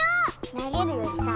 投げるよりさ